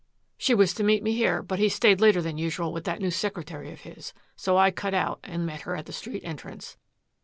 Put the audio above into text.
"She was to meet me here, but he stayed later than usual with that new secretary of his. So I cut out and met her at the street entrance."